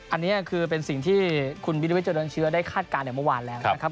อันนี้คือเป็นสิ่งที่คุณวิริวิทเจริญเชื้อได้คาดการณ์อย่างเมื่อวานแล้วนะครับ